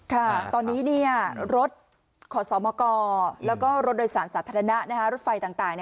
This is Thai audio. ค่ะตอนนี้รถขอสมกแล้วก็รถโดยสารสาธารณะรถไฟต่าง